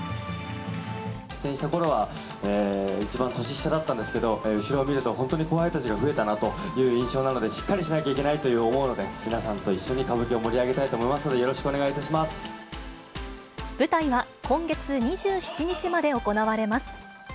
出演したころは、一番年下だったんですけど、後ろを見ると本当に後輩たちが増えたなという印象なので、しっかりしなきゃいけないと思うので、皆さんと一緒に歌舞伎を盛り上げたいと思いますので、よろしくお舞台は今月２７日まで行われます。